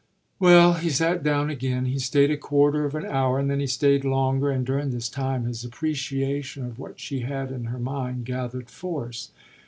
Well, he sat down again; he stayed a quarter of an hour and then he stayed longer, and during this time his appreciation of what she had in her mind gathered force.